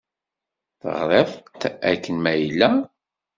Teɣṛiḍ-t akken ma yella?